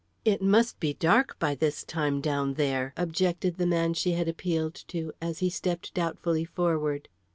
"It must be dark by this time down there," objected the man she had appealed to, as he stepped doubtfully forward.